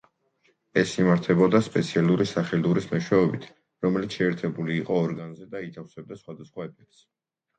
ეს იმართებოდა სპეციალური სახელურის მეშვეობით, რომელიც შეერთებული იყო ორგანზე და ითავსებდა სხვადასხვა ეფექტს.